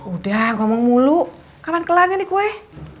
udah ngomong mulu kapan kelang ya dikueh